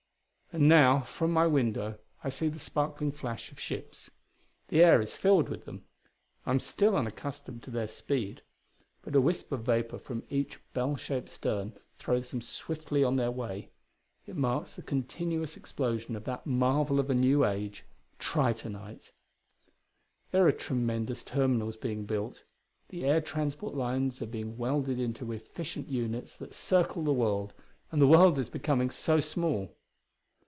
And now from my window I see the sparkling flash of ships. The air is filled with them; I am still unaccustomed to their speed. But a wisp of vapor from each bell shaped stern throws them swiftly on their way; it marks the continuous explosion of that marvel of a new age tritonite! There are tremendous terminals being built; the air transport lines are being welded into efficient units that circle the world; and the world is becoming so small!